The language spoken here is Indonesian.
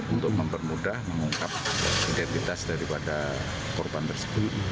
untuk mempermudah mengungkap identitas daripada korban tersebut